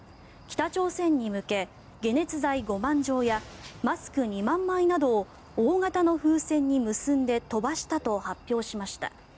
北朝鮮に向け解熱剤５万錠やマスク２万枚などを大型の風船に結んで飛ばしたと発表しました。